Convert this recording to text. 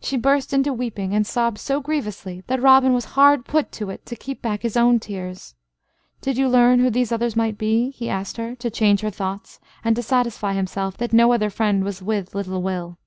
She burst into weeping, and sobbed so grievously that Robin was hard put to it to keep back his own tears. "Did you learn who these others might be?" he asked her, to change her thoughts and to satisfy himself that no other friend was with little Will.